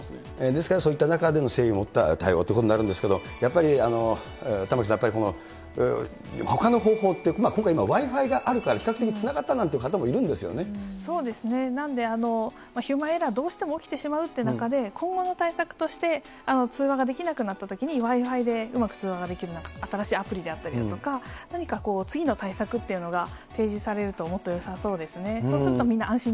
ですから、そういった中での誠意を持った対応っていうことになるんですけども、やっぱり玉城さん、ほかの方法って、今回、Ｗｉ−Ｆｉがあるから比較的つなそうですね、なんで、ヒューマンエラー、どうしても起きてしまうっていう中で、今後の対策として、通話ができなくなったときに、Ｗｉ−Ｆｉでうまく通話ができる新しいアプリであったりだとか、何か次の対策っていうのが提示されるともっとよさそうですよね。